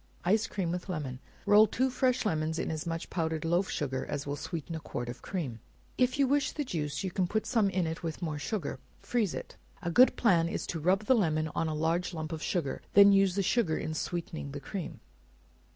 Ice Cream with Lemon. Roll two fresh lemons, in as much powdered loaf sugar as will sweeten a quart of cream; if you wish the juice, you can put some in with more sugar; freeze it. A good plan is to rub the lemon on a large lump of sugar, and then use the sugar in sweetening the cream.